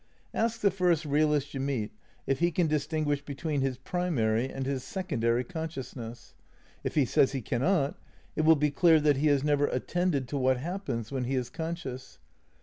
Ask the first realist you meet if he can distinguish between his pri mary and his secondary consciousness. If he says he can not, it will be clear that he has never attended to what happens when he is conscious.